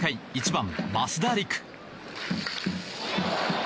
１番、増田陸。